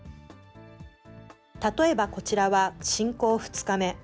例えばこちらは、侵攻２日目。